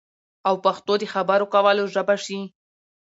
او پښتو د خبرو کولو ژبه شي